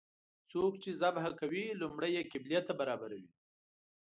څوک چې ذبحه کوي لومړی یې قبلې ته برابروي.